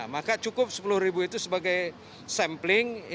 maka cukup sepuluh ribu itu sebagai sampling